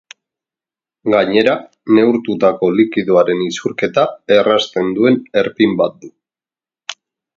Gainera, neurtutako likidoaren isurketa errazten duen erpin bat du.